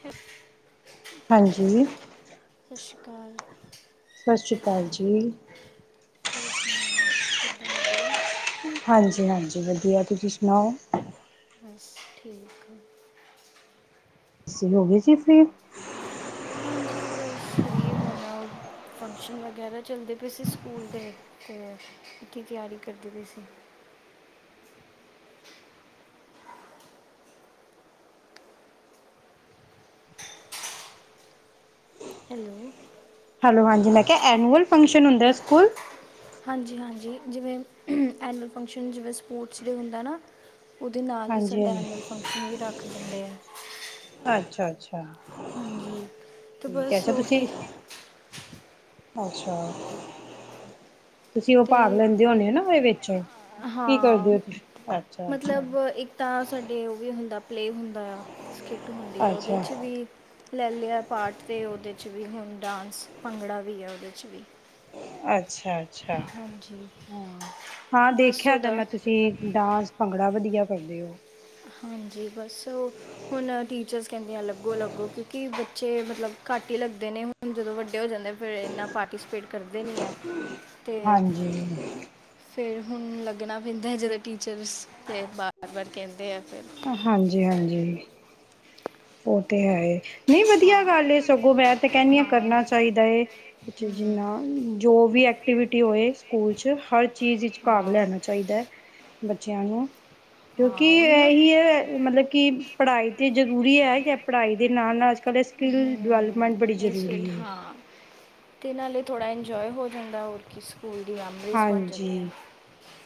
ਸਤਿ ਹਾਂਜੀ ਕਾਲ ਸਤਿ ਸ੍ਰੀ ਅਕਾਲ ਜੀ ਹੋਰ ਸੁਣਾਉ, ਕਿੱਦਾਂ ਵਧੀਆ ਨੌ ਬਸ, ਠੀਕ ਤੁਸੀਂ ਹੋ ਗਏ ਜੀ ਫਰੀ ਹਾਂਜੀ, ਬਸ ਫ੍ਰੀ ਹੋਣਾ ਫੰਕਸ਼ਨ ਵਗੈਰਾ ਚੱਲਦੇ ਪਏ ਸੀ ਸਕੂਲ ਦੇ, ਤੇ ਅੱਗੇ ਦੀ ਤਿਆਰੀ ਕਰਦੀ ਪਈ ਸੀ। ਹੈਲੋ ਹੈਲੋ ਹਾਂਜੀ ਮੈਂ ਕਿਹਾ ਐਨੂਲ ਫੰਕਸ਼ਨ ਹੁੰਦਾ ਸਕੂਲ ਹਾਂਜੀ ਹਾਂਜੀ ਜਿਵੇਂ ਐਨੂਅਲ ਫੰਕਸ਼ਨ ਜਿਵੇਂ ਸਪੋਰਟਸ ਡ ਹੁੰਦਾ ਨਾ ਉਹਦੇ ਨਾਲ ਹੀ ਹਾਂਜੀ ਸਾਡਾ ਹਾਂਜੀ ਐਨੂਅਲ ਫੰਕਸ਼ਨ ਵੀ ਰੱਖ ਦਿੰਦੇ ਹੈ ਅੱਛਾ ਅੱਛਾ ਹਾਂਜੀ ਤੇ ਠੀਕ ਹੈ ਬਸ ਅੱਛਾ ਤੁਸੀਂ ਉਓਹੀ ਅੱਛਾ ਤੁਸੀਂ ਉਹ ਤੇ ਭਾਵ ਲੈਂਦੇ ਹੋਦੇ ਹੋ ਨਾ ਉਹਦੇ ਵਿੱਚ ਕੀ ਹਾਂ ਕਰਦੇ ਹੋ ਤੁਂ ਅੱਛਾ ਅੱਛਾ ਪਲੇਅ ਹੁੰਦਾ ਆ ਕਿੱਟ ਹੁੰਦੀ ਆ ਉਹਦੇ ਅੱਛਾ 'ਚ ਵੀ ਲੈ ਲਿਆ ਪਾਠ ਅਤੇ ਉਹਦੇ 'ਚ ਵੀ ਹੁਣ ਡਾਂਸ ਭੰਗੜਾ ਵੀ ਹੈ ਉਹਦੇ 'ਚ ਵੀ ਅ ਅ ਹਾਂਜੀ ਹਾਂ ਹਾਂ ਬਸ ਦੇਖਿਆਦਾ ਉਹਦਾ ਮੈਂ ਤੁਸੀਂ ਡਾਂਸ ਭੰਗੜਾ ਵਧੀਆ ਕਰਦੇਓ ਹਾਂਜੀ ਬਸ ਹੁਣ ਟੀਚਰਸ ਕਹਿੰਦੀਆਂ ਅਲੱਗੋ ਅਲੱਗੋ ਕਿਉਂਕਿ ਬੱਚੇ ਮਤਲਬ ਘੱਟ ਹੀ ਲੱਗਦੇ ਨੇ ਹੁਣ ਜਦੋਂ ਵੱਡੇ ਹੋ ਜਾਂਦੇ ਫਿਰ ਇੰਨਾ ਪਾਰਟੀਸਪੇਟ ਕਰਦੇ ਨਹੀਂ ਹੈ ਹਾਂਜੀ ਫਿਰ ਹੁਣ ਲੱਗਣਾ ਪੈਂਦਾ ਜਦੋਂ ਟੀਚਰਸ ਅਤੇ ਬਾਰ ਬਾਰ ਕਹਿੰਦੇ ਆ ਫਿਰ ਹਾਂਜੀ ਹਾਂਜੀ ਉਹ ਤੇ ਹੈਏ ਨਹੀਂ ਹਾਂ ਵਧੀਆ ਗੱਲ ਇਹ ਸਗੋਂ ਮੈਂ ਤੇ ਕੈਹਂਨੀ ਹਾਂ ਕਰਨਾ ਚਾਹੀਦਾ ਏ ਬੱਚੇ ਹੂੰ ਜਿੰਨਾ ਜੋ ਵੀ ਐਕਟੀਵਿਟੀ ਹੋਏ ਸਕੂਲ ਚ ਹਰ ਚੀਜ਼ ਵਿੱਚ ਭਾਗ ਹਾਂ ਲੈਨਾ ਚਾਹੀਦਾ ਹੈ [unintelligible] ਕਿਉਂਕਿ ਹਾਂ ਉਹੀ ਨਾ ਇਹੀ ਏ ਮਤਲਬ ਕਿ ਪੜ੍ਹਾਈ ਤੇ ਜ ਜ਼ਰੂਰੀ ਹੈ ਕਿ ਪੜ੍ਹਾਈ ਦੇ ਨਾਲ-ਨਾਲ ਅਜ ਕੱਲ੍ਹ ਸਕਿੱਲ ਹਮ, ਡਿਵੈਲਪਮੈਂਟ ਬੜੀ ਇਸ ਫੀਲਡ ਜ਼ਰੂਰੀ ਹੈ ਹਾਂ ਤੇ ਨਾਲੇ ਥੋੜ੍ਹਾ ਇੰਜੋਏ ਹੋ ਜਾਂਦਾ ਹੋਰ ਕਿ ਹਾਂਜੀ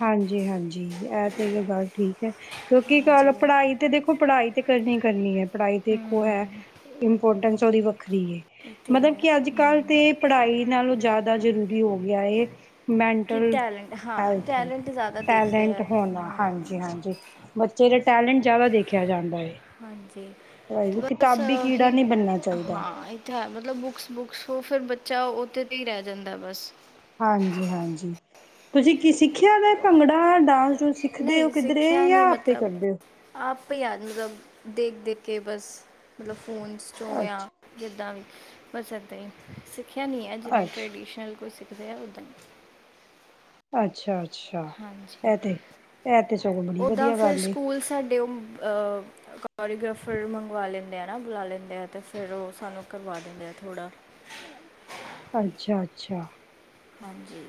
ਹਾਂਜੀ ਹਾਂਜੀ ਜੀ ਇਹ ਤੇ ਇਹ ਗੱਲ ਠੀਕ ਐ ਕਿਉਂਕਿ ਕਲ ਹਾਂਜੀ ਪੜ੍ਹਾਈ ਤੇ ਦੇਖੋ ਪੜ੍ਹਾਈ ਤੇ ਕਰਨੀ ਕਰਨੀ ਐ ਪੜ੍ਹਾਈ ਤੇ ਇੱਕ ਹੈ ਹਮ ਇੰਪੋਰਟੈਂਸ [unintelligible] ਵੱਖਰੀ ਏ ਇਹ ਤੇ ਮਤਲਬ ਹੈ ਕਿ ਅੱਜ ਕੱਲ੍ਹ ਹਮ, ਤੇ ਪੜ੍ਹਾਈ ਨਾਲੋਂ ਜ਼ਿਆਦਾ ਜ਼ਰੂਰੀ ਹੋ ਗਿਆ ਏ ਕਿ ਮੈਂਟਲ ਟੈਲੈਂਟ ਹਾਂ ਹੈਲਥ ਟੈਲੈਂਟ ਜ਼ਿਆਦਾ ਦੇਖਦੇ ਟੈਲੈਂਟ ਆ ਹੋਨਾ ਹਾਂਜੀ ਹਮ, ਹਾਂਜੀ ਬੱਚੇ ਦੇ ਟੈਲੈਂਟ ਜ਼ਿਆਦਾ ਦੇਖਿਆ ਜਾਂਦਾ ਏ ਹਾਂਜੀ ਤੇ ਬਸ ਕਿਤਾਬੀ ਕੀੜਾ ਹੀ ਨੀ ਬਨਾ ਚਾਹੀਦਾ ਹਾਂ ਇਹ ਤਾਂ ਹੈ ਮਤਲਬ ਉਹ ਫਿਰ ਬੱਚਾ ਓਥੇ ਦੀ ਰੈ ਜਾਂਦਾ ਬਸ। ਹਾਂਜੀ-ਹਾਂਜੀ ਤੁਸੀ ਕੀ ਸਿੱਖਿਐ ਭੰਗੜਾ ਡਾਂਸ ਡੂਸ ਨਹੀਂ ਸਿੱਖਦੇ ਹੋ ਕਿੱਧਰੇ ਸਿੱਖਿਆ ਜਾਂ ਨਹੀਂ ਆਪੇ ਮਤਲਬ ਕਰਦੇ ਹੋ? ਅੱਪੇ ਅਜੂਗਾ ਦੇਖ-ਦੇਖ ਕੇ ਬਸ ਮਤਲਬ। [unintelligible] ਹੋਆ ਅੱਛਾ। ਜਿੱਦਾ ਵੀ। ਬੱਸ ਏਦਾਂ ਈ ਸਖਿਆ ਨੀ ਐ ਜਵੇਂ ਅੱਛਾ, ਟਰੈਡੀਸ਼ਨਲ [unintelligible] ਅੱਛਾ ਅੱਛਾ ਇਹ ਤੇ ਇਹ ਤੇ ਸਗੋ ਬੜੀ ਵਧੀਆ ਗੱਲ ਏ। ਕੋਰੀਗ੍ਰਾਫਰ ਮੰਗਵਾ ਲੈਂਨੇ ਆ ਨਾ ਬੁਲਾ ਲੈਂਨੇ ਆ ਤੇ ਫਿਰ ਉ ਸਾਨੂੰ ਕਰਵਾ ਦਿੰਦੇ ਆ ਥੋੜ੍ਹਾ। ਅੱਛਾ-ਅੱਛਾ ਹਾਂਜੀ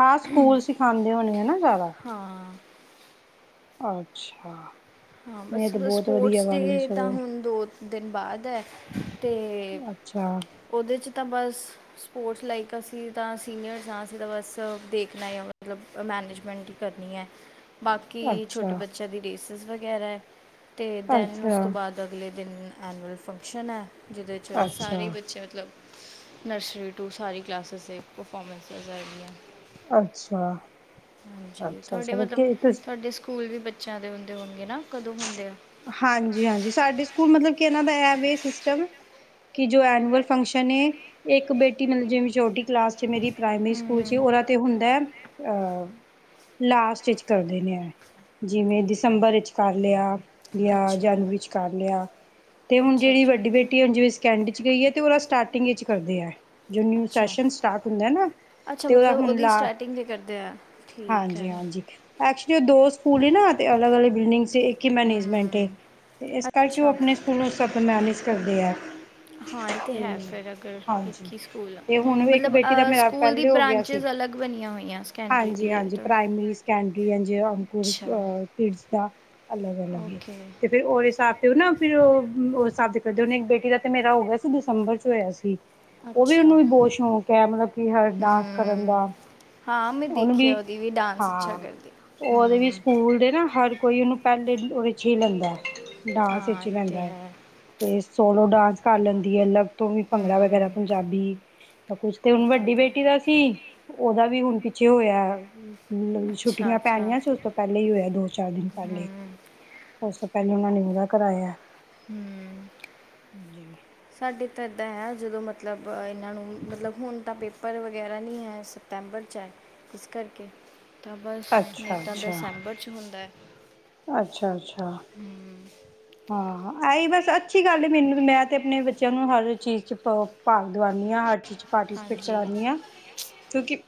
ਹਾਂ ਸਕੂਲ ਸਿਖਾਉਂਦੇ ਹੋਣੇ ਆ ਨਾ ਜ਼ਿਆਦਾ। ਹਾਂ ਅੱਛਾ ਹਾਂ ਇਹ ਬਸ ਤੇ ਸ ਬਹੁਤ ਵਧੀਆ ਗੱਲ ਏ ਸਪੋਰਟਸ-ਦੇ ਤਾਂ ਸਗੋਂ ਹੁਣ ਦੋ ਦਿਨ ਬਾਅਦ ਐ। ਤੇ ਅੱਛਾ, ਅੱਛਾ ਓਹਦੇ ਚ ਤਾਂ ਬਸ ਸਪੋਰਟਸ ਲਾਈਕ ਅਸੀਂ ਤਾਂ ਸੀਨੀਅਰਸ ਹਾਂ ਅਸੀਂ ਤਾਂ ਬਸ ਦੇਖਣਾ ਹੀ ਮਤਲਬ ਮੈਨੇਜਮੈਂਟ ਹੀ ਕਰਨੀ ਐ। ਬਾਕੀ ਛੋਟੇ ਅੱਛਾ, ਬੱਚਿਆਂ ਦੀ ਰੇਸ ਇਸ ਲਈ ਗਹਿਰਾ ਐ। ਤੇ ਦੈਨ ਅੱਛਾ, ਉਸ ਤੋਂ ਬਾਅਦ ਅਗਲੇ ਦਿਨ ਐਨੂਅਲ ਫੰਕਸ਼ਨ ਐ। ਜਿਹਦੇ ਚ ਅੱਛਾ, ਸਾਰੇ ਬੱਚੇ ਮਤਲਬ ਨਰਸਰੀ ਟੂ ਸਾਰੀ ਕਲਾਸਿਸ ਦੇ ਪਰਫਾਰਮੈਂਸ ਹੈਗੀਆ ਐ। ਅੱਛਾ। ਹਾਂਜੀ ਅੱਛਾ ਤੁਹਾਡੇ ਮਤਲਬ ਕਿ ਤੁਸ ਤੁਹਾਡੇ ਸਕੂਲ ਵੀ ਬ ਜਾਂਦੇ ਹੁੰਦੇ ਹੋਣਗੇ ਨਾ? ਕਦੋਂ ਹੁੰਦੇ ਆ ਹਾਂਜੀ-ਹਾਂਜੀ ਸਾਡੇ ਸਕੂਲ ਮਤਲਬ ਕਿ ਉਹਨਾਂ ਦਾ ਇਹ ਵੇ ਸਿਸਟਮ ਕਿ ਜੋ ਐਨੂਅਲ ਫੰਕਸ਼ਨ ਏ, ਇੱਕ ਬੇਟੀ ਮਤਲਬ ਜਿਵੇਂ ਛੋਟੀ ਕਲਾਸ ਚ ਮੇਰੀ ਪ੍ਰਾਇਮਰੀ ਸਕੂਲ ਚ ਹਮ ਉਹਦਾ ਤੇ ਹੁੰਦਾ ਹੈ। ਅ ਲਾਸਟ ਵਿੱਚ ਕਰਦੇ ਨੇ ਇਹ ਜਿਵੇਂ ਦਸੰਬਰ ਵਿੱਚ ਕਰ ਲਿਆ। ਲਿਆ ਅੱਛਾ ਜਨਵਰੀ ਚ ਕਰ ਲਿਆ ਤੇ ਹੁਣ ਅੱਛਾ ਜਿਹੜੀ ਅੱਛਾ ਵੱਡੀ ਬੇਟੀ ਹੁਣ ਜਿਵੇ ਸੈਕੰਡਰੀ ਚ ਗਈ ਐ ਤੇ ਉਹਦਾ ਸਟਾਰ ਟਿੰਗ ਚ ਕਰਦੇ ਐ। ਜੋ ਨਿਊ ਅੱਛਾ ਸੈਸ਼ਨ ਸਟਾਰਟ ਹੁੰਦਾ ਨਾ ਅੱਛਾ ਤੇ ਉਹਦਾ ਮਤਲਬ ਹੁਣ ਉਹਦੀ ਲਾ ਸਟਾਰਟਿੰਗ ਤੇ ਕਰਦੇ ਆ ਠੀਕ ਹੈ ਹਾਂਜੀ-ਹਾਂਜੀ ਐਕਚੁਲੀ ਦੋ ਸਕੂਲ ਏ ਨਾ ਤੇ ਅਲਗ-ਅਲਗ ਬਿਲਡਿੰਗਸ ਇੱਕ ਹੀ ਮੈਨੇਜਮੈਂਟ ਏ, ਹਮ ਇਸ ਕਰਕੇ ਉਹ ਅੱਛਾ ਆਪਣੇ ਸਕੂਲੋਂ ਸੱਭ ਮੈਨੇਜ ਕਰਦੇ ਆ ਹਾਂ ਇਹ ਤੇ, ਹੈ ਫਿਰ ਅਗਰ ਹਾਂਜੀ ਇੱਕ ਹੀ ਸਕੂਲ ਤੇ ਹੁਣ ਇੱਕ ਮਤਲਬ ਬੇਟੀ ਦਾ ਅ, ਮੇਰਾ ਸਕੂਲ ਦੀ ਪਹਿਲੇ ਹੋ ਗਿਆ ਸੀ ਬ੍ਰਾਂਚੇਸ ਅਲੱਗ ਬਣੀਆਂ ਹੋਈਆਂ ਸੈਕੰਡਰੀ ਦੀ ਇਹ ਹਾਂਜੀ-ਹਾਂਜੀ, ਤਾਂ ਪ੍ਰਾਇਮਰੀ ਸਕੇਂਡਰੀ ਐਨ ਜੀ ਕੋਰਸ ਅੱਛਾ ਆ ਕਿਡਜ਼। [unintelligible] ਅਲੱਗ ਅਲੱਗ ਏ, ਓਕੇ ਤੇ ਫਿਰ ਉਹਦੇ ਹਿਸਾਬ ਤੇ ਨਾ ਫਿਰ ਉਹ ਉਸ ਹਿਸਾਬ ਦੇ ਕਰਦੇ ਉਹਨੇ ਬੇਟੀ ਦਾ ਤੇ ਮੇਰਾ ਹੋ ਗਿਆ ਸੀ, ਦਿਸੰਬਰ ਚ ਹੋਇਆ ਸੀ। ਉਹ ਵੀ ਅੱਛਾ ਉਹਨੂੰ ਵੀ ਬਹੁਤ ਸ਼ੌਕ ਐ ਮਤਲਬ ਹਰ ਡਾਂਸ ਕਰਨ ਹਮ ਦਾ। ਹਾਂ ਮੈਂ ਉਹਨੂੰ ਵੀ ਦੇਖਿਆ ਉਹਦੀ ਡਾਂਸ ਅੱਛਾ ਹਾਂ ਕਰਦੀ ਉਹ ਉਹਦੇ ਵੀ ਹਮ ਸਕੂਲ ਦੇ ਨਾ ਹਰ ਕੋਈ ਉਹਨੂੰ ਪਹਿਲੇ ਉਹਦੇ ਚ ਹੀ ਲੈਂਦਾ ਐ। ਡਾਂਸ ਹਾਂ ਵਿੱਚ ਹੀ ਇਹ ਲੈਂਦਾ ਤੇ ਹੈ, ਤੇ ਸੋਲੋ ਡਾਂਸ ਕਰ ਲੈਂਦੀ ਹੈ, ਅਲੱਗ ਤੋਂ ਵੀ ਭੰਗੜਾ ਵਗੈਰਾ ਹਮ ਪੰਜਾਬੀ, ਕੁਛ ਤੇ ਇਹ ਹੁਣ ਵੱਡੀ ਵਧੀਆ ਬੇਟੀ ਦਾ ਸੀ, ਉਹਦਾ ਵੀ ਵੀ ਹੁਣ ਪਿੱਛੇ ਹੋਇਆ। ਮਤਲਬ ਅੱਛਾ ਛੁੱਟੀਆਂ ਅੱਛਾ ਪੈਣੀਆਂ ਸੀ। ਉਸ ਤੋਂ ਪਹਿਲੇ ਹੀ ਹੋਇਆ, ਦੋ ਚਾਰ ਦਿਨ ਪਹਿਲੇ। ਹਮ ਉਸ ਤੋਂ ਪਹਿਲੇ ਉਹਨਾ ਨੇ ਉਹਦਾ ਕਰਾਇਆ। ਹੂੰ, ਜੀ ਸਾਡੇ ਤਾਂ ਇੱਦਾਂ ਐ। ਜਦੋਂ ਮਤਲਬ ਇਹਨਾਂ ਨੂੰ ਮਤਲਬ ਹੁਣ ਤਾਂ ਪੇਪਰ ਵਗੈਰਾ ਨਹੀਂ ਹੈ। ਸਿਤੰਬਰ 'ਚ ਹੈ ਇਸ ਕਰਕੇ। ਤਾਂ ਬਸ ਨਹੀਂ ਅੱਛਾ ਤਾਂ ਦਿਸੰਬਰ ਚ ਹੁੰਦਾ ਐ। ਅੱਛਾ-ਅੱਛਾ। ਹਾਂ ਇਹ ਬਸ ਅੱਛੀ ਗੱਲ ਮੈਨੂੰ ਮੈਂ ਤੇ ਆਪਣੇ ਬੱਚਿਆਂ ਨੂੰ ਹਰ ਚੀਜ਼ ਚ ਪਾਓ ਭਾਗ ਦਿਵਾਉਦੀ ਹਾਂ। ਹਰ ਚੀਜ਼ ਪਾਰਟੀਸਪੇਟ ਹਾਂਜੀ ਕਰਾਨੀਂ ਹਾਂ, ਕਿਉਂਕਿ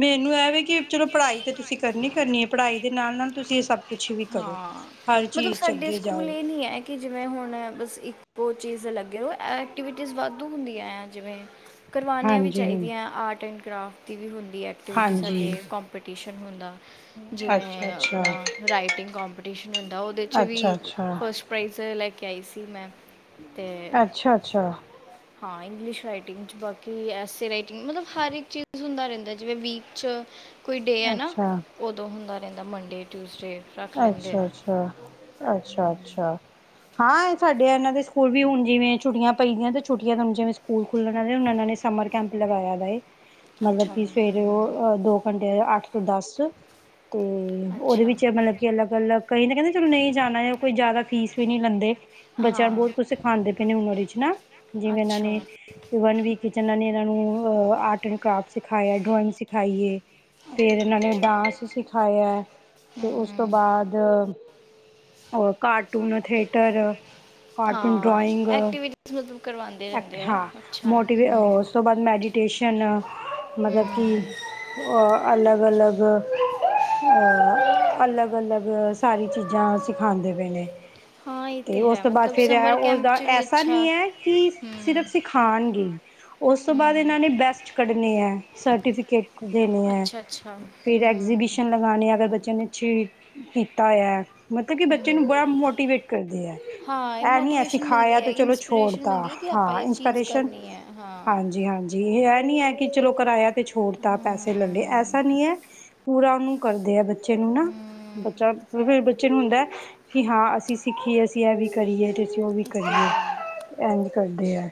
ਮੈਨੂੰ ਇਹ ਵੀ ਕਿ ਚਲੋ ਪੜ੍ਹਾਈ ਤੇ ਤੁਸੀਂ ਕਰਨੀ ਕਰਨੀ ਹੈ ਪੜ੍ਹਾਈ ਦੇ ਨਾਲ-ਨਾਲ ਤੁਸੀਂ ਇਹ ਸਭ ਕੁਛ ਵੀ ਕਰੋ, ਹਾਂ। ਹਰ ਮਤਲਬ ਚੀਜ਼ ਚ ਸਾਡੇ ਅੱਗੇ ਸਕੂਲ ਜਾਓ। ਇਹ ਨਹੀਂ ਹੈ ਕਿ ਜਿਵੇਂ ਹੁਣ ਬਸ ਇੱਕੋ ਚੀਜ਼ ਲੱਗੇ ਰਹੋ, ਐਕਟੀਵਿਟੀਜ਼ ਵਾਧੂ ਹੁੰਦੀਆਂ ਜਿਵੇਂ ਕਰਵਉਣੀਆਂ ਵੀ ਹਾਂਜੀ ਚਾਹੀਦੀਆਂ ਆਰਟ ਐਂਡ ਕਰਾਫਟ ਦੀ ਵੀ ਹੁੰਦੀ ਦੀ ਐਕਟੀਵਿਟੀ ਹਾਂਜੀ ਸਾਡੇ ਕੋਂਪਿਤਿਸ਼ਨ [inaudible] ਜਿਵੇਂ ਹਾਂਜੀ ਅੱਛਾ ਆਪਣਾ ਰਾਈਟਿੰਗ ਕੋਂਪੀਟੀਸ਼ਨ ਹੁੰਦਾ ਉਹਦੇ 'ਚ ਵੀ ਅੱਛਾ ਅੱਛਾ ਫਸਟ ਪ੍ਰਾਈਜ਼ ਲੈ ਕੇ ਕਈ ਸੀ ਮੈਂ ਤੇ ਅੱਛਾ ਅੱਛਾ ਹਾਂ ਇੰਗਲਿਸ਼ ਰਾਈਟਿੰਗ 'ਚ ਬਾਕੀ ਐਸੇ ਰਾਈਟਿੰਗ ਮਤਲਬ ਹਰ ਇੱਕ ਚੀਜ਼ ਹੁੰਦਾ ਰਹਿੰਦਾ ਜਿਵੇਂ ਵੀਕ 'ਚ ਕੋਈ ਡੇ ਹੈ ਅੱਛਾ ਨਾ ਅੱਛਾ ਹੁੰਦਾ ਰਹਿੰਦਾ ਮੰਡੇ, ਟਿਊਜ਼ਡੇ ਰੱਖ ਲੈਂਦੇ ਆ ਅੱਛਾ-ਅੱਛਾ ਅੱਛਾ-ਅੱਛਾ। ਹਾਂ ਇਹ ਸਾਡੇ ਇਹਨਾਂ ਦੇ ਸਕੂਲ ਵੀ ਹੁਣ ਜਿਵੇਂ ਛੁੱਟੀਆਂ ਪਈ ਦੀਆਂ ਤੇ ਛੁੱਟੀਆਂ ਤੁਾਨ ਜਿਵੇਂ ਸਕੂਲ ਖੁੱਲਣ ਆਲੇ ਹੁਣ ਏਨਾ ਨੇ ਸਮਰ ਕੈਂਪ ਲਗਾਇਆ ਦਾ ਏ। ਮਤਲਬ ਅੱਛਾ ਕਿ ਸਵੇਰੇ ਹੂੰ ਉਹ ਦੋ ਘੰਟੇ ਅੱਠ ਤੋਂ ਦੱਸ ਤੇ ਉਹਦੇ ਅੱਛਾ ਵਿੱਚ ਮਤਲਬ ਗੱਲ ਕਈ ਤਾਂ ਕਹਿੰਦੇ ਚਲੋ ਨਹੀਂ ਜਾਣਾ ਕੋਈ ਜ਼ਿਆਦਾ ਫੀਸ ਵੀ ਨਹੀਂ ਲੈਂਦੇ। ਬੱਚਿਆਂ ਨੂੰ ਹਾਂ ਬਹੁਤ ਕੁਝ ਸਿਖਾਉਂਦੇ ਪਏ ਨੇ ਉਹ ਵਿੱਚ ਨਾ ਜਿਵੇਂ ਇਹਨਾਂ ਅੱਛਾ ਨੇ ਓ ਵਨ ਵੀਕ ਕਿ ਜਿਨਾਂ ਨੇ ਇਹਨਾਂ ਨੂੰ ਅ ਆਰਟ ਐਂਡ ਕਰਾਫਟ ਸਿਖਾਇਆ ਡਰੋਇੰਗ ਸਿਖਾਈਏ ਫੇਰ ਇਹਨਾਂ ਨੇ ਗੁੱਡ ਡਾਂਸ ਸਿਖਾਇਆ ਤੇ ਉਸ ਉਸ ਤੋਂ ਹੂੰ ਬਾਅਦ ਅ ਕਾਰਟੂਨ ਥੇਟਰ। ਕਾਰਟੂਨ ਹਾਂ ਡਰਾਇੰਗ ਐਕਟੀਵਿਟੀਜ਼ ਮਤਲਬ ਕਰਵਾਉਂਦੇ ਰਹਿੰਦੇ ਆ ਅੱਛਾ ਅੱਛਾ ਮੋਟੀਵੇ ਅ ਹੂੰ ਉਸ ਤੋਂ ਬਾਅਦ ਮੈਡੀਟੇਸ਼ਨ ਮਤਲਬ ਕਿ ਹੂੰ ਅਲਗ-ਅਲਗ। [inaudible] ਅਲੱਗ-ਅਲੱਗ ਸਾਰੀ ਚੀਜ਼ਾਂ ਸਿਖਾਉਂਦੇ ਪਏ ਨੇ। ਹਾਂ ਇਹ ਤੇ ਉਸ ਹੈ ਤੋਂ ਬਾਅਦ ਮਤਲਬ ਫੇਰ ਸਮਰ ਕੈਂਪ ਉਸਦਾ 'ਚ ਵੀ ਐਸਾ ਅੱਛਾ ਨਹੀਂ ਹੈ ਕਿ ਸਿਰਫ਼ ਹੂੰ ਸਿਖਾਉਣਗੇ। ਉਸ ਤੋਂ ਬਾਅਦ ਹੂੰ ਇਹਨਾਂ ਨੇ ਬੈਸਟ ਕੱਢਣੇ ਹੈ ਸਰਟੀਫਿਕੇਟ ਦੇਣੇ ਹੈ ਅੱਛਾ ਅੱਛਾ ਹੂੰ ਫਿਰ ਐਗਜੀਬਿਸ਼ਨ ਲਗਾਣੇ ਅਗਰ ਬੱਚਿਆਂ ਨੇ ਚੇ ਕੀਤਾ ਹੋਇਆ। ਮਤਲਬ ਕਿ ਬੱਚੇ ਨੂੰ ਹੂੰ ਬੜਾ ਮੋਟੀਵੇਟ ਕਰਦੇ ਐ, ਹਾਂ ਇਹ ਨਹੀਂ ਹੈ ਮੋਟੀਵੇਸ਼ਨ ਸਿਖਾਇਆ ਮਿਲਦੀ ਹੈ ਤੇ ਚਲੋ ਛੋੜ ਇਨਸਪੀਰੇਸ਼ਨ ਤਾ ਮਿਲਦੀ ਹੈ ਕਿ ਆਪਾਂ ਹਾਂ ਇਹ ਚੀਜ਼ ਇੰਸਪਾਰੇਸ਼ਨ ਕਰਨੀ ਹੈ ਹਾਂ ਹਾਂਜੀ -ਹਾਂਜੀ ਇਹ ਨਹੀਂ ਹੈ ਕੀ ਚਲੋ ਕਰਾਇਆ ਤੇ ਛੋੜਤਾ ਪੈਸੇ ਲੱਲੇ ਹੂੰ ਐਸਾ ਨਹੀਂ ਹੈ ਪੂਰਾ ਨੂੰ ਕਰਦੇ ਆ ਬੱਚੇ ਨੂੰ ਨਾ। ਹੂੰ ਬੱਚਾ ਫਿਰ ਬੱਚੇ ਨੂੰ ਹੁੰਦਾ ਹੈ ਕਿ ਹਾਂ ਅਸੀਂ ਸਿੱਖੀਏ ਅਸੀਂ ਇਹ ਵੀ ਕਰੀਏ ਤੇ ਅਸੀਂ ਉਹ ਵੀ ਤੇ ਕਰੀਏ। ਹਾਂ-ਹਾਂ ਇੰਝ ਕਰਦੇ ਆ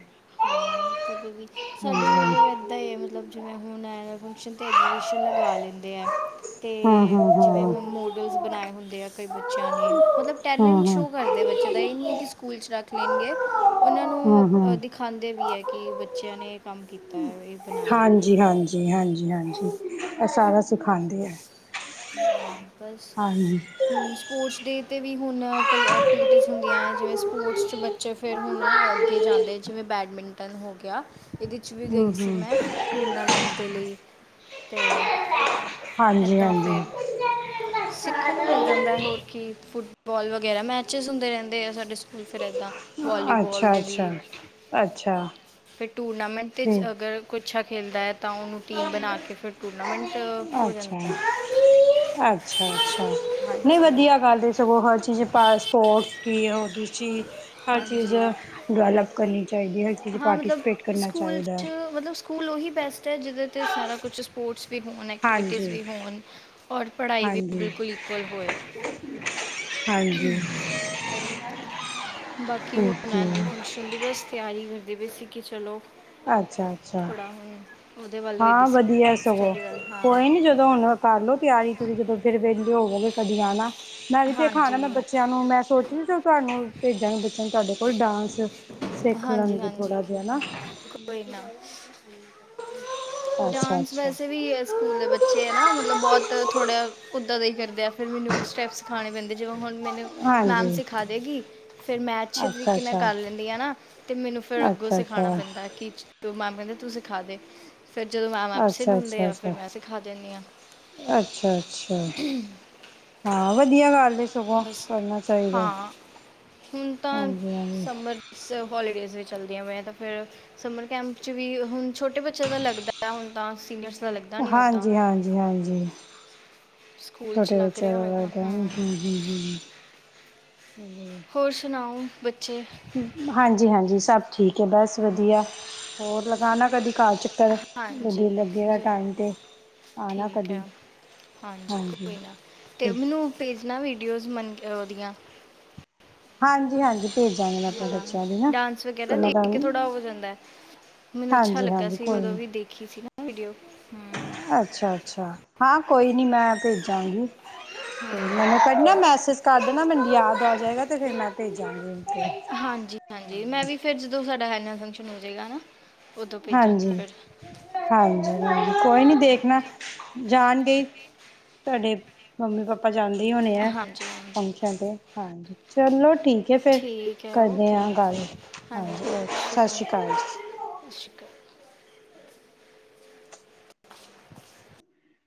ਸਾਡੀੇ ਹਾਂਜੀ-ਹਾਂਜੀ। ਮਤਲਬ ਏਦਾਂ ਹੀ ਹੈ, ਮਤਲਬ ਜਿਵੇਂ ਹੁਣ ਫੰਕਸ਼ਨ ਤੇ ਐਗਜੀਬਿਸ਼ਨ ਲਗਵਾ ਲੈਂਦੇ ਐ। ਤੇ ਜਿਵੇਂ ਹੂੰ-ਹੂੰ-ਹੂੰ-ਹੂੰ-ਹੂੰ। ਹੁਣ ਮੋਡਲਸ ਬਣਾਏ ਹੁੰਦੇ ਆ ਕਈ ਬੱਚ ਬੱਚਿਆਂ ਨੇ ਮਤਲਬ ਟੈਲੈਂਟ ਸ਼ੋਅ ਕਰਦੇ ਬੱਚਿਆਂ ਦਾ ਇਹ ਨਹੀਂ ਹੈ ਕਿ ਵਿਚ ਰੱਖ ਲੈਣਗੇ ਉਹਨਾਂ ਨੂੰ ਅ ਹੂੰ-ਹੂੰ। ਦਿਖਾਂਦੇ ਵੀ ਹੈ ਕਿ ਬੱਚੇ ਨੇ ਇਹ ਕੰਮ ਕੀਤਾ ਹੈ ਇਹ ਬਣਾਇਆ ਹੈ। ਹਾਂਜੀ-ਹਾਂਜੀ, ਹਾਂਜੀ-ਹਾਂਜੀ। ਇਹ ਸਾਰਾ ਸਿਖਾਂਦੇ ਐ। ਹਾਂ ਬਸ ਹੁਣ ਸਪੋਰਟਸ ਡੇ ਤੇ ਵੀ ਹੁਣ ਕਲੀ ਐਕਟੀਵਿਟੀਜ਼ ਹੁੰਦੀਆਂ ਐ, ਜਿਵੇਂ ਸਪੋਰਟਸ ਚ ਬੱਚੇ ਫਿਰ ਹੁਣ ਅੱਗੇ ਜਾਂਦੇ ਜਿਵੇਂ ਬੈਡਮਿੰਟਨ ਹੋ ਗਿਆ। ਇਹਦੇ ਚ ਵੀ ਹੂੰ ਗਈ ਸੀ, ਹੂੰ ਮੈਂ ਟੂਰਨਾਮੈਂਟ ਦੇ ਲਈ। ਤੇ ਹਾਂਜੀ ਇੱਦਾਂ ਹਾਂਜੀ ਫਿਰ ਸਿੱਖਣ ਨੂੰ ਮਿਲ ਜਾਂਦਾ, ਹੋਰ ਕੀ ਫੁਟ ਬੋਲ ਵਗੈਰਾ ਮੈਚਿਸ ਹੁੰਦੇ ਰਹਿੰਦੇ ਆ ਸਾਡੇ ਸਕੂਲ ਫਿਰ ਏਦਾਂ ਵਾਲੀਬਾਲ ਅੱਛਾ ਦੇ ਵੀ ਅੱਛਾ ਅੱਛਾ ਫਿਰ ਟੂਰਨਾਮੈਂਟ ਠੀਕ ਅਗਰ ਕੁਛ ਖੇਲਦਾ ਹੈ। ਤਾਂ ਉਹਨੂੰ ਟੀਮ ਬਣਾ ਕੇ ਫਿਰ ਟੂਰਨਾਮੈਂਟ ਹੋ ਅੱਛਾ ਜਾਂਦਾ ਹੈ ਅੱ ਅੱਛਾ, ਨਹੀਂ ਹਾਂਜੀ ਵਧੀਆ ਗੱਲ ਸਗੋਂ ਹਰ ਚੀਜ਼ ਪਾ ਸਪੋਰਟਸ ਕੀ ਹੋਰ ਹਰ ਚੀਜ਼ ਹਾਂਜੀ ਡਿਵੈਲਪ ਕਰਨੀ ਚਾਹੀਦੀ, ਹਰ ਚੀਜ਼ ਹਾਂ ਪਾਰਟੀ ਮਤਲਬ ਸਪੇਟ ਕਰਨਾ ਸਕੂਲ ਚਾਹੀਦਾ। 'ਚ ਮਤਲਬ ਸਕੂਲ ਉਹੀ ਬੈਸ ਜਿਹਦੇ ਤੇ ਸਾਰਾ ਕੁਛ ਸਪੋਰਟਸ ਵੀ ਹੋਣ ਐਕਟੀਵਿਟੀਜ਼ ਹਾਂਜੀ ਵੀ ਹੋਣ ਔਰ ਪੜ੍ਹਾਈ ਵੀ ਹਾਂਜੀ ਬਿਲਕੁਲ ਇਕੁਵਲ ਹੋਏ। ਹਾਂਜੀ ਬਾਕੀ ਓਕੇ ਹੁਣ ਐਨੂਅਲ ਫੰਕਸ਼ਨ ਦੀ ਬਸ ਤਿਆਰੀ ਕਰ ਦੇ ਵੇ ਸੀ ਚਲੋ ਅੱਛਾ! ਅੱਛਾ ਥੋੜਾ ਹੁਣ ਉਹਦੇ ਵੱਲ ਹੋਈ ਦੀ ਹਾਂ ਸੀ ਵਧੀਆ ਸਗੋਂ ਸਟੱਡੀ ਵੱਲ ਹਾਂ ਕੋਈ ਨੀ ਜਦੋਂ ਹੁਣ ਕਰ ਲਓ ਤਿਆਰੀ ਤਰੀ ਜਦੋਂ ਫਿਰ ਵਿਹਲੇ ਹੋਵਗੇ ਲੁਧਿਆਣਾ ਮੈਂ ਵੀ ਦੇਖਾਣਾ ਹਾਂਜੀ ਮੈਂ ਬੱਚਿਆਂ ਨੂੰ ਮੈਂ ਸੋਚ ਚ ਤੁਹਾਨੂੰ ਭੇਜਾਂਗੀ ਬੱਚਿਆਂ ਨੂੰ ਤੁਹਾਡੇ ਹੋਰ ਡਾਂਸ ਸਿੱਖ ਹਾਂਜੀ ਲੈਣਗੇ ਥੋੜਾ ਹਾਂਜੀ ਜਿਹਾ ਹੈ ਨਾ ਕੋਈ ਨਾ ਅੱਛਾ ਡਾਂਸ ਅੱਛਾ ਵੈਸੇ ਵੀ ਹੈ ਸਕੂਲ ਦੇ ਬੱਚੇ ਹੈ ਨਾ ਮਤਲਬ ਬਹੁਤ ਥੋੜ੍ਹਾ ਉੱਦਾਂ ਦਾ ਹੀ ਕਰਦੇ ਆ ਫਿਰ ਮੈਨੂੰ ਸਟੈਪ ਸਿਖਾਣੇ ਪੈਂਦੇ ਜਿਵੇੰ ਹੁਣ ਮੈਨੂੰ ਮੈਮ ਹਾਂਜੀ ਸਿਖਾਦੇਗੀ ਫਿਰ ਮੈਂ ਅੱਛੇ ਅੱਛਾ ਤਰੀਕੇ ਨਾਲ ਅੱਛਾ ਕਰ ਲੈਂਦੀ ਆ ਨਾ। ਤੇ ਮੈਨੂੰ ਫਿਰ ਅੱਗੋਂ ਅੱਛਾ ਸਿਖਾਣਾ ਅੱਛਾ ਪੈਂਦਾ ਕਿ ਮੈ ਕਹਿੰਦੇ ਤੂੰ ਸਿਖਾ ਦੇ ਫਿਰ ਜਦੋਂ ਮੈਮ ਐਬਸੈਂਟ ਅੱਛਾ! ਅੱਛਾ! ਹੁੰਦੇ ਆ ਫਿਰ ਅੱਛਾ! ਮੈਂ ਸਿਖਾ ਦਿੰਦੀ ਆ ਅੱਛਾ! ਅੱਛਾ! ਹਾਂ ਵਧੀਆ ਗੱਲ ਸਗੋਂ ਬਸ ਕਰਨਾ ਚਾਹੀਦਾ ਹਾਂ ਹੁਣ ਤਾਂ ਹਾਂਜੀ ਹਾਂਜੀ ਸਮਰ ਹੋਲੀਡੇ ਚੱਲਦੀਆਂ ਪਈਆਂ ਤਾਂ ਫਿਰ ਸਮਰ ਕੈਂਪ ਚ ਵੀ ਹੁਣ ਛੋਟੇ ਬੱਚਿਆਂ ਦਾ ਲੱਗਦਾ ਹੁਣ ਤਾਂ ਸੀਨੀਅਰ ਹਾਂਜੀ ਹਾਂਜੀ ਹਾਂਜੀ ਸਕੂਲ 'ਚ ਛੋਟੇ ਲੱਗ ਬੱਚਿਆਂ ਰਿਹਾ ਦਾ ਹੋਏਗਾ ਹੈਗਾ [inaudible] ਹੂੰ ਹੋਰ ਸੁਣਾਓ ਬੱਚੇ ਹਾਂਜੀ ਹਾਂਜੀ ਸਭ ਠੀਕ ਹੈ ਬਸ ਵਧੀਆ ਹਮ, ਹੋਰ ਲਗਾਣਾ ਕਦੀ ਘਰ ਚੱਕਰ ਦਿਲ ਹਾਂਜੀ ਲੱਗੇਗਾ ਜ਼ਰੂਰ ਟਾਈਮ ਤੇ ਆਣਾ ਠੀਕ ਹੈ ਕਦੀ ਹਾਂਜੀ ਕੋਈ ਨਾ ਤੇ ਮੈਨੂੰ ਭੇਜਣਾ ਵੀਡੀਓਜ਼ ਮੰਨ ਕੇ ਉਹਦੀਆਂ ਹਾਂਜੀ ਹਾਂਜੀ ਭੇਜਾਂਗੇ ਮੈਂ ਆਪਣੇ ਹਾਂ ਬੱਚਿਆਂ ਦੀ ਨਾ ਡਾਂਸ ਵਗੈਰਾ ਤੇ ਮੈਂ ਦੇਖ ਕੇ ਥੋੜਾ ਤੁਹਾਨੂੰ ਹੋ ਜਾਂਦਾ ਮੈਨੂੰ ਅੱਛਾ ਹਾਂਜੀ ਲੱਗਾ ਹਾਂਜੀ ਸੀ ਕੋਈ ਉਦੋਂ ਨੀ ਵੀ ਦੇਖੀ ਸੀ ਨਾ ਵਡੀਓ ਅੱਛਾ ਅੱਛਾ ਹਾਂ ਕੋਈ ਨਹੀਂ ਮੈਂ ਭੇਜਾਂਗੀ ਹਾਂ ਮੈਨੂੰ ਕ ਓਕੇ ਮੈਸੇਜ ਕਰ ਦੇਣਾ ਮੈਨੂੰ ਯਾਦ ਆ ਜਾਏਗਾ ਤੇ ਫਿਰ ਮੈਂ ਹਾਂਜੀ ਹਾਂਜੀ ਮੈਂ ਭੇਜਾਂਗੀ ਵੀ ਫਿਰ ਜਦੋਂ ਸਾਡਾ ਐਨੂਅਲ ਫੰਕਸ਼ਨ ਹੋ ਜਾਏਗਾ ਨਾ ਉਦੋਂ ਭੇਜਾਂਗੇ ਹਾਂਜੀ ਫਿਰ ਹਾਂਜੀ ਹਾਂਜੀ ਕੋਈ ਨੀ ਦੇਖਣਾ ਜਾਣਗੇ ਤੁਹਾਡੇ ਮੰਮੀ ਪਾਪਾ ਚਦੀ ਹੋਣੀ ਆ ਹਾਂਜੀ ਹਾਂਜੀ ਫੰਕਸ਼ਨ ਤੇ ਹਾਂਜੀ ਚਲੋ ਠੀਕ ਹੈ ਫਿਰ ਠੀਕ ਹੈ ਕਰਦੇ ਓਕੇ ਹਾਂ ਗੱਲ ਹਾਂਜੀ ਸਤਿ ਸ਼੍ਰੀ ਅਕਾਲ ਸਤਿ ਸ਼੍ਰੀ ਅਕਾਲ